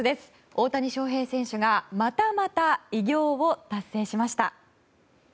大谷翔平選手がまたまた偉業を達成しました。